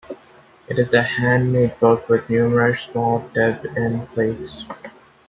It is a handmade book with numerous small tipped in plates.